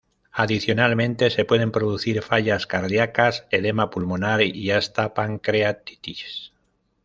Adicionalmente se pueden producir fallas cardíacas, edema pulmonar y hasta pancreatitis.